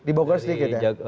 dibogor sedikit ya